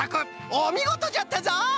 おみごとじゃったぞ！